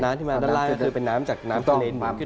ที่มาด้านล่างก็คือเป็นน้ำจากน้ำทะเล